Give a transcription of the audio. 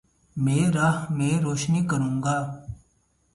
میں راہ میں روشنی کرونگا